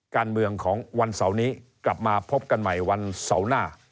การเมืองของวันเสาร์นี้กลับมาพบกันใหม่วันเสาร์หน้า